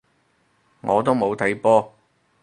我都冇睇波